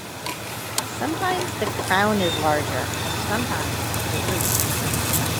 Sometimes the crown is larger and sometimes the root.